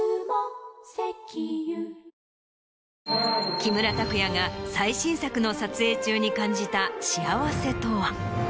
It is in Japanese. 木村拓哉が最新作の撮影中に感じた幸せとは？